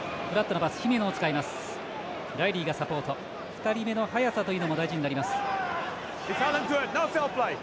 ２人目の速さというのも大事になります。